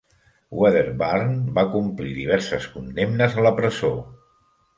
Wedderburn va complir diverses condemnes a la presó.